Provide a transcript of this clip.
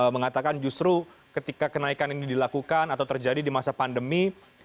mengatakan justru ketika kenaikan ini dilakukan atau terjadi di masa pandemi